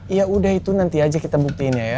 ya udah itu nanti aja kita buktiinnya ya